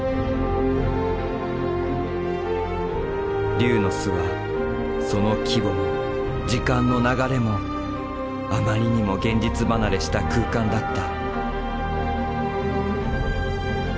龍の巣はその規模も時間の流れもあまりにも現実離れした空間だった。